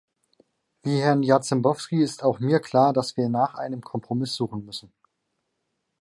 Wie Herrn Jarzembowski ist auch mir klar, dass wir nach einem Kompromiss suchen müssen.